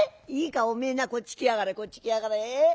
いいかおめえなこっち来やがれこっち来やがれ。